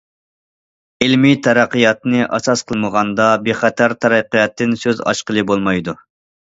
ئىلمىي تەرەققىياتنى ئاساس قىلمىغاندا، بىخەتەر تەرەققىياتتىن سۆز ئاچقىلى بولمايدۇ.